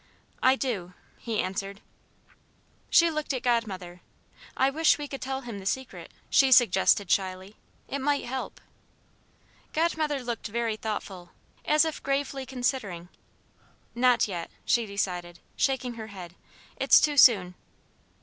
"I do," he answered. She looked at Godmother. "I wish we could tell him the Secret," she suggested shyly, "it might help." Godmother looked very thoughtful, as if gravely considering. "Not yet," she decided, shaking her head; "it's too soon."